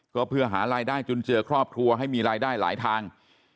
ก็เพื่อหารายได้จนเจอครอบครัวให้มีรายได้หลายทาง